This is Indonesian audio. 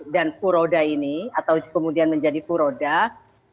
dan furodai ini atau kemudian menjadi furodai